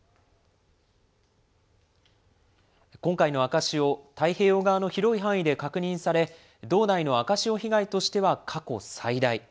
今回の赤潮、太平洋側の広い範囲で確認され、道内の赤潮被害としては過去最大。